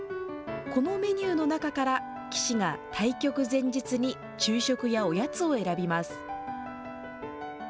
このメニューの中から、棋士が対局前日に昼食やおやつを選びます。